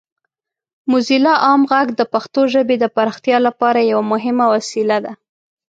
موزیلا عام غږ د پښتو ژبې د پراختیا لپاره یوه مهمه وسیله ده.